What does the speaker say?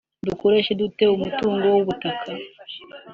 Dukoresha dute umutungo w’ubutaka